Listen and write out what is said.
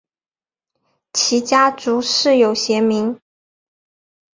其家族世有贤名。